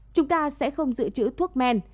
chúng ta sẽ không giữ chữ thuốc men